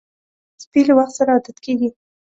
سپي له وخت سره عادت کېږي.